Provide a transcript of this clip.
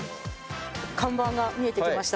看板が見えてきました。